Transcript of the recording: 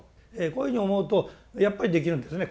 こういうふうに思うとやっぱりできるんですね